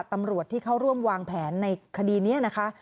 ตำรวจที่เข้าร่วมวางแผนในคดีนี้นะคะ